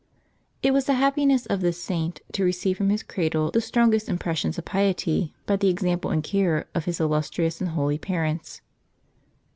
IT was the happiness of this Saint to receive from his cradle the strongest impressions of piety by the example and care of his illustrious and holy parents.